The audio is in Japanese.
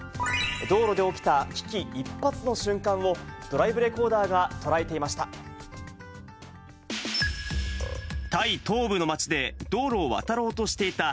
道路で起きた危機一髪の瞬間を、ドライブレコーダーが捉えていました。